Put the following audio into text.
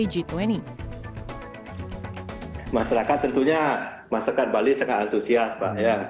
masyarakat tentunya masyarakat bali sangat antusias pak